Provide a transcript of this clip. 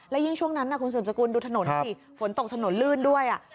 และยิ่งช่วงนั้นน่ะคุณศูนย์สกุลดูถนนดิฝนตกถนนลื่นด้วยอ่ะ